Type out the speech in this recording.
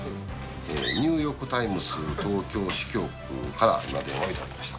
ニューヨーク・タイムズ東京支局から今電話頂きました。